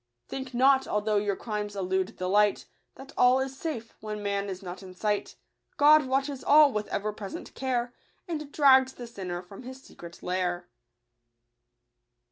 Think not, although your crimes elude the light, That all is safe when man is not in sight ; God watches all with ever present care, And drags the sinner from his secret lair.